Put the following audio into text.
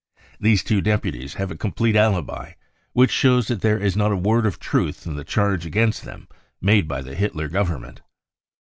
These two deputies have a complete alibi which shows that there is not a word of truth in the charge against them made by the Hitler Government.